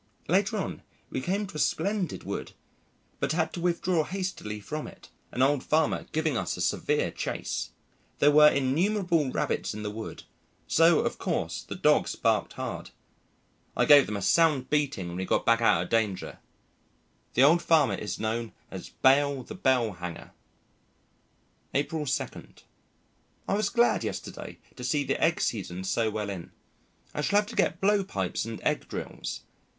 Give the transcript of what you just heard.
Later on, we came to a splendid wood, but had to withdraw hastily from it, an old farmer giving us a severe chase. There were innumerable rabbits in the wood, so, of course, the dogs barked hard. I gave them a sound beating when we got back out of danger, The old farmer is known as "Bale the Bell hanger." April 2. I was glad yesterday to see the egg season so well in. I shall have to get blow pipes and egg drills.